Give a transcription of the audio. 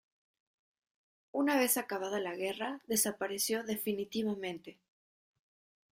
Una vez acabada la guerra desapareció definitivamente.